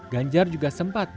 ganjar juga sempat berkata